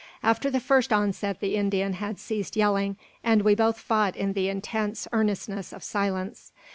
After the first onset the Indian had ceased yelling, and we both fought in the intense earnestness of silence.